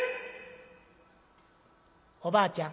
おばあちゃん